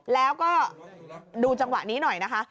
แล้วก็ดูจังหวะนี้หน่อยนะคะ